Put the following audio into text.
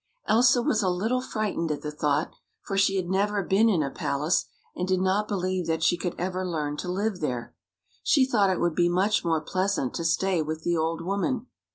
Elsa was a little frightened at the thought, for she had never been in a palace, and did not believe that she could ever learn to live there. She thought it would be much more pleasant to stay with the old woman.